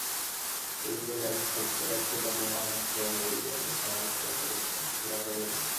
এই বলে এক চোট অপমান তো হয়েই গেল, তার পরে এক-শো টাকা জরিমানা।